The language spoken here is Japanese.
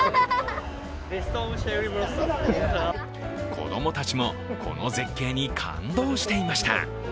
子供たちも、この絶景に感動していました。